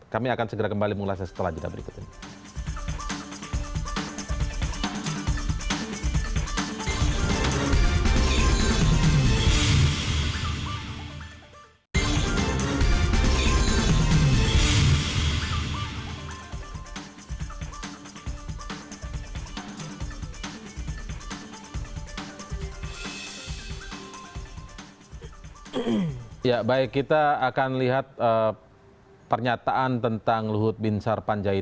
kami akan segera kembali mengulasnya setelah jika berikut ini